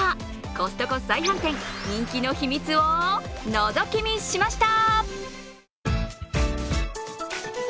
コストコ再販店人気の秘密を、のぞき見しました。